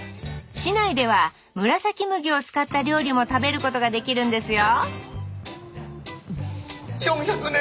市内ではむらさき麦を使った料理も食べることができるんですよ